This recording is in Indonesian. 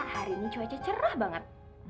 hari ini cuaca cerah banget